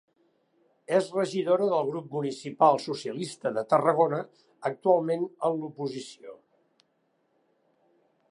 És regidora del Grup Municipal Socialista de Tarragona, actualment en l'oposició.